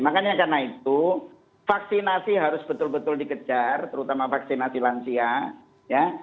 makanya karena itu vaksinasi harus betul betul dikejar terutama vaksinasi lansia ya